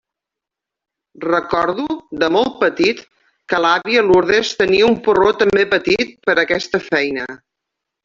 Recordo, de molt petit, que l'àvia Lourdes tenia un porró també petit per a aquesta feina.